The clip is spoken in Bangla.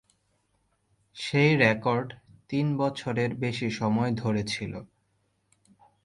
সেই রেকর্ড তিন বছরেরও বেশি সময় ধরে ছিল।